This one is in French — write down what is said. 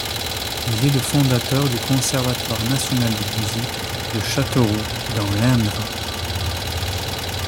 Il est le fondateur du Conservatoire National de musique de Châteauroux dans l'Indre.